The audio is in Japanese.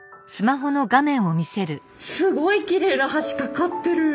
すごいきれいな橋架かってる！